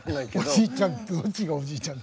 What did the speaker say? どっちがおじいちゃん。